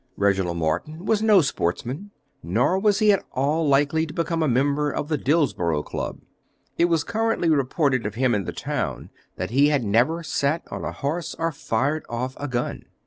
Reginald Morton was no sportsman, nor was he at all likely to become a member of the Dillsborough Club. It was currently reported of him in the town that he had never sat on a horse or fired off a gun.